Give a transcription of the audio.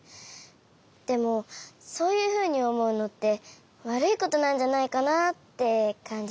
でもそういうふうにおもうのってわるいことなんじゃないかなってかんじちゃって。